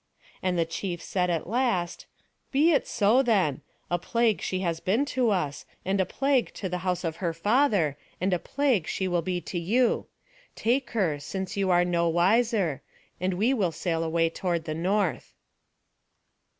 And the chief said at last, "Be it so, then; a plague she has been to us, and a plague to the house of her father, and a plague she will be to you. Take her, since you are no wiser; and we will sail away toward the north."